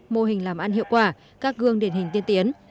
mô hình làm ăn hiệu quả các gương điển hình tiên tiến